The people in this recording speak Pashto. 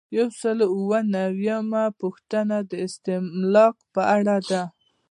یو سل او اووه نوي یمه پوښتنه د استملاک په اړه ده.